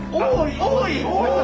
多い！